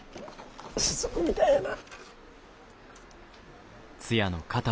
スズ子みたいやな。